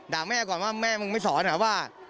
แม่ก่อนว่าแม่มึงไม่สอนเหรอว่า